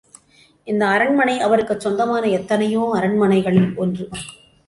இந்த அரண்மனை அவருக்குச் சொந்தமான எத்தனையோ அரண்மனைகளில் ஒன்று.